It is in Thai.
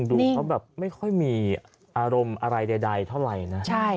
ดูเขาแบบไม่ค่อยมีอารมณ์อะไรใดเท่าไหร่นะ